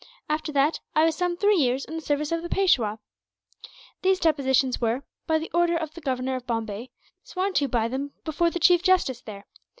After that, I was some three years in the service of the Peishwa. "These depositions were, by the order of the Governor of Bombay, sworn to by them before the chief justice there.